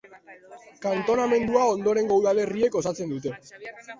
Kantonamendua ondorengo udalerriek osatzen dute.